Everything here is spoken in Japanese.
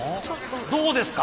どうですか？